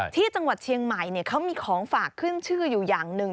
ที่จังหวัดเชียงใหม่เขามีของฝากขึ้นชื่ออยู่อย่างหนึ่ง